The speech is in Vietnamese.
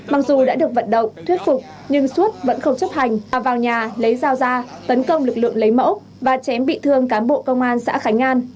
mặc dù đã được vận động thuyết phục nhưng suốt vẫn không chấp hành mà vào nhà lấy dao ra tấn công lực lượng lấy mẫu và chém bị thương cán bộ công an xã khánh an